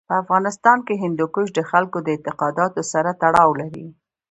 په افغانستان کې هندوکش د خلکو د اعتقاداتو سره تړاو لري.